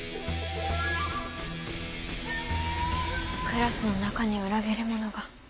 クラスの中に裏切り者が。